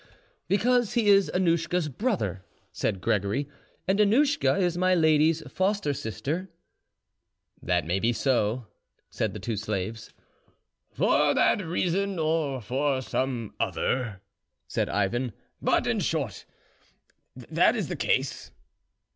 "Because he is Annouschka's brother," said Gregory, "and Annouschka is my lady's foster sister." "That may be so," said the two slaves. "For that reason or for some other," said Ivan; "but, in short, that is the case."